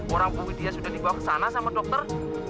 orang bu widya sudah dibawa ke sana sama dokter